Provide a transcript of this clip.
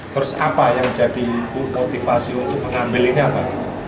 terus apa yang jadi motivasi untuk mengambil ini apa